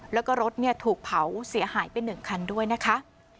แล้วก็รถถูกเผาเสียหายไป๑คันด้วยนะคะ